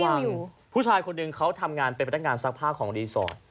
อยู่ผู้ชายคนหนึ่งเขาทำงานเป็นพนักงานซักผ้าของรีสอร์ท